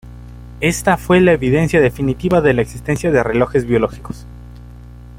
Ésta fue la evidencia definitiva de la existencia de relojes biológicos.